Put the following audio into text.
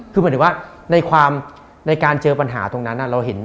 คือหมายถึงว่าในการเจอปัญหาตรงนั้น